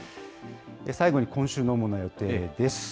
最後に今週の主な予定です。